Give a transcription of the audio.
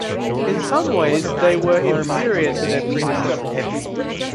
In some ways they were inferior to their predecessors.